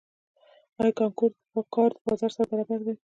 آیا کانکور د کار بازار سره برابر دی؟